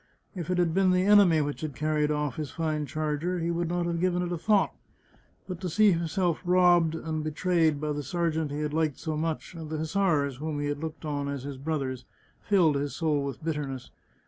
If it had been the enemy which had carried oflf his fine charger he would not have given it a thought, but to see himself robbed and be trayed by the sergeant he had liked so much, and the hussars, whom he had looked on as his brothers, filled his soul with bitterness.